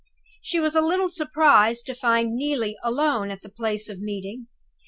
She was a little surprised to find Neelie alone at the place of meeting.